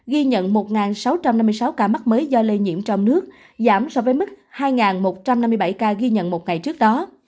ghi nhận một sáu trăm năm mươi sáu ca mắc mới do lây nhiễm trong nước giảm so với mức hai một trăm năm mươi bảy ca ghi nhận một ngày trước đó